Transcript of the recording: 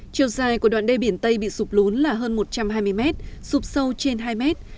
chiều dài của đoạn đê biển tây bị sụt lún là hơn một trăm hai mươi mét sụp sâu trên hai mét